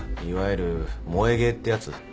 いわゆる萌えゲーってやつ？